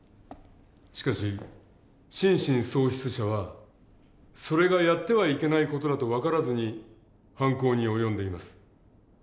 しかし心神喪失者はそれがやってはいけない事だと分からずに犯行に及んでいます。